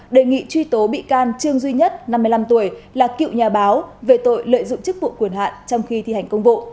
đề nghị truy tố bị can trương duy nhất năm mươi năm tuổi là cựu nhà báo về tội lợi dụng chức vụ quyền hạn trong khi thi hành công vụ